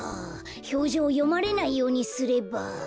ひょうじょうをよまれないようにすれば。